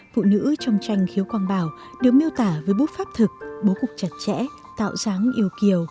phụ nữ trong tranh khiếu quang bảo đều miêu tả với bút pháp thực bố cục chặt chẽ tạo dáng yêu kiều